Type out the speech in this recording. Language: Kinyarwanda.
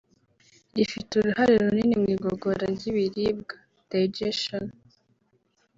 rifite uruhare runini mu igogora ry’ibiribwa (digestion)